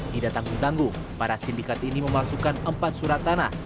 tidak tanggung tanggung para sindikat ini memasukkan empat surat tanah